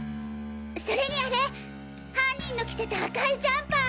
それにあれ犯人の着てた赤いジャンパー。